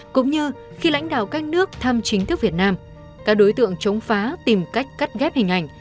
cũng như khi lãnh đạo các nước thăm chính thức việt nam các đối tượng chống phá tìm cách cắt ghép hình ảnh